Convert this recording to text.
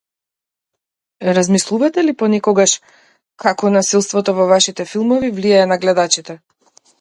Размислувате ли понекогаш како насилството во вашите филмови влијае на гледачите?